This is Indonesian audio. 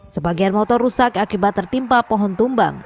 sebagian motor rusak akibat tertimpa pohon tumbang